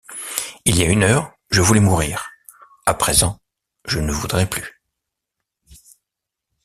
Il y a une heure, je voulais mourir, à présent je ne voudrais plus.